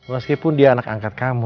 meskipun dia anak angkat kamu